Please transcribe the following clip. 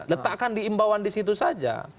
letakkan di imbauan di situ saja